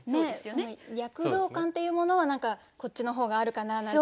躍動感っていうものはこっちの方があるかななんて。